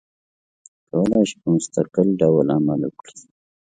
کولای شي په مستقل ډول عمل وکړي.